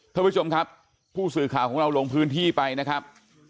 ท่านผู้ชมครับผู้สื่อข่าวของเราลงพื้นที่ไปนะครับ